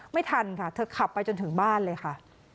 ไม่ทันค่ะเธอขับไปจนถึงบ้านเลยค่ะ